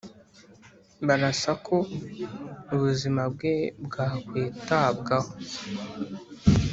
barasa ko ubuzima bwe bwakwitabwaho